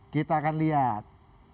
kita akan lihat